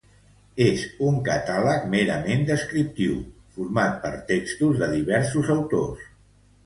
És un catàleg merament descriptiu, format per textos de diversos autors.